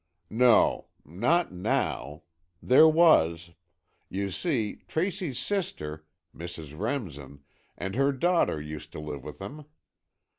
"No. Not now. There was. You see, Tracy's sister, Mrs. Remsen, and her daughter used to live with him.